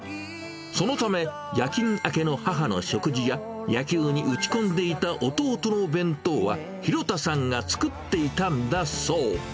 そのため、夜勤明けの母の食事や、野球に打ち込んでいた弟の弁当は、廣田さんが作っていたんだそう。